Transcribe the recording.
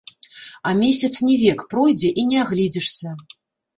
А месяц не век, пройдзе, і не агледзішся.